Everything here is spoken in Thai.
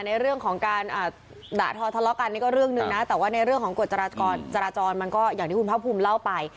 ในเรื่องของการด่าทอทะเลาะกันนี่ก็เรื่องหนึ่งนะแต่ว่าในเรื่องของกฎจราจรจราจรมันก็อย่างที่คุณภาคภูมิเล่าไป